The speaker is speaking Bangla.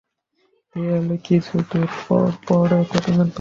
দেয়ালে কিছুদূর পরপর এ ধরনের বেশ কিছু পোস্টার চোখে পড়ল।